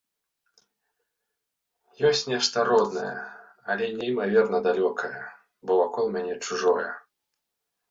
Ёсць нешта роднае, але неймаверна далёкае, бо вакол мяне чужое.